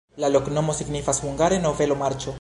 La loknomo signifas hungare: nobelo-marĉo.